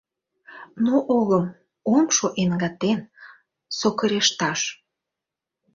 Но огым, ом шу эмгатен, сокырешташ